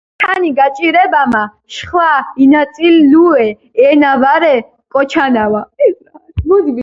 სქანი გაჭირებამა შხვა ინაწილუე ენა ვარე კოჩანავა